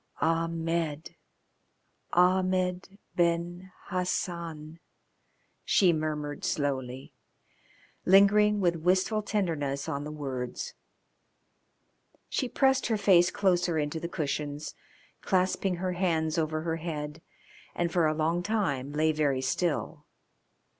"Ahmed! Ahmed Ben Hassan," she murmured slowly, lingering with wistful tenderness on the words. She pressed her face closer into the cushions, clasping her hands over her head, and for a long time lay very still.